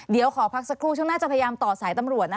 เดี๋ยวขอพักสักครู่ช่วงหน้าจะพยายามต่อสายตำรวจนะคะ